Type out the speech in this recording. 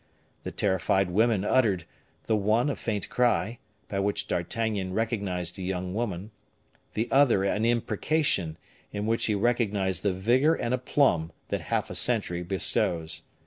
The terrified women uttered, the one a faint cry, by which D'Artagnan recognized a young woman, the other an imprecation, in which he recognized the vigor and aplomb that half a century bestows.